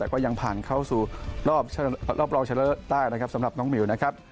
แต่ก็ยังผ่านเข้าสู่รอบรองชนะเลิศได้นะครับสำหรับน้องหมิวนะครับ